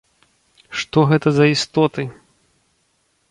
Што гэта за істоты?